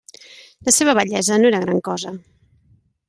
La seua bellesa no era gran cosa.